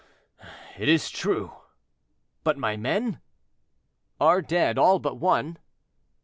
"It is true; but my men?" "Are dead, all but one."